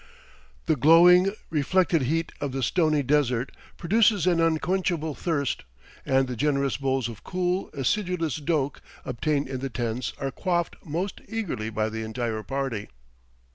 The glowing, reflected heat of the stony desert produces an unquenchable thirst, and the generous bowls of cool, acidulous doke obtained in the tents are quaffed most eagerly by the entire party.